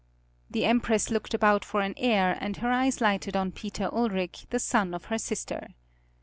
The Empress looked about for an heir and her eyes lighted on Peter Ulric, the son of her sister.